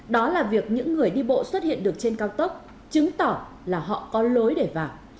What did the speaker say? đó là việc những người đi bộ xuất hiện được trên cao tốc chứng tỏ là họ có lối để vào